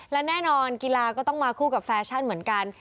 และแน่นอนกีฬาก็ต้องมาคู่กับแฟชั่นเหมือนกัน